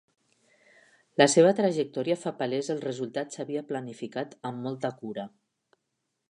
La seva trajectòria fa palès el resultat s'havia planificat amb molta cura.